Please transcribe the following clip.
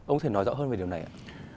ông thể nói rõ hơn về điều này ạ